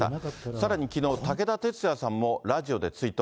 さらにきのう、武田鉄矢さんもラジオで追悼。